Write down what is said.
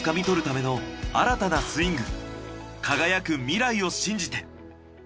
輝く未来を信じて。